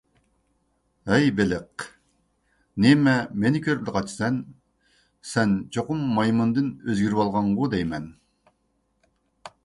ھەي بېلىق، نېمە مېنى كۆرۈپلا قاچىسەن؟ سەن چوقۇم مايمۇندىن ئۆزگىرىۋالغانغۇ دەيمەن؟